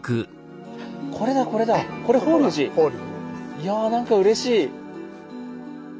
いや何かうれしい。